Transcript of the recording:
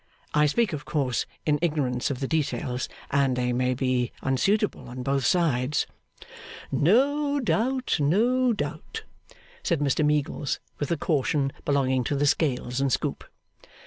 I speak, of course, in ignorance of the details, and they may be unsuitable on both sides.' 'No doubt, no doubt,' said Mr Meagles, with the caution belonging to the scales and scoop.